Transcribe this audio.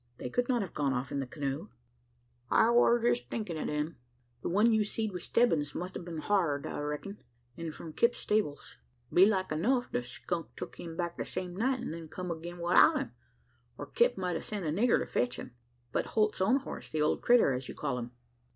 They could not have gone off in the canoe?" "I war just thinkin' o' them. The one you seed with Stebbins must a been hired, I reck'n; an' from Kipp's stables. Belike enuf, the skunk tuk him back the same night, and then come agin 'ithout him; or Kipp might a sent a nigger to fetch him?" "But Holt's own horse the old `critter,' as you call him?"